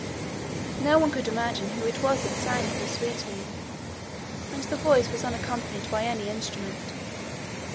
No one could imagine who it was that sang so sweetly, and the voice was unaccompanied by any instrument.